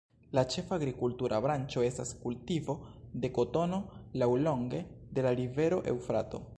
La ĉefa agrikultura branĉo estas kultivo de kotono laŭlonge de la rivero Eŭfrato.